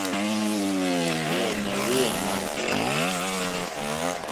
Íɲá hwéyè nâŋɡɛ̂.